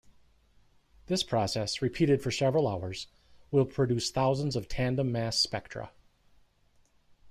This process, repeated for several hours, will produce thousands of tandem mass spectra.